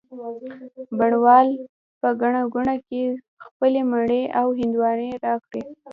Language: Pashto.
بڼ وال په ګڼه ګوڼه کي خپلې مڼې او هندواڼې را کړې